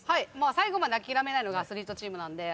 最後まで諦めないのがアスリートチームなんで。